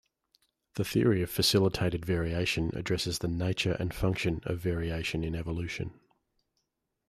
The theory of facilitated variation addresses the nature and function of variation in evolution.